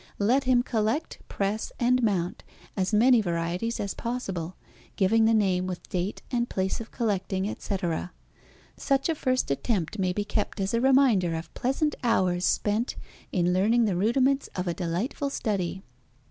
Let him collect, press, and mount as many varieties as possible, giving the name with date and place of collecting, etc. Such a first attempt may be kept as a reminder of pleasant hours spent in learning the rudiments of a delightful study.